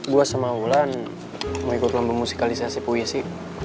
gue sama wulan mau ikut lambung musikalisasi puisi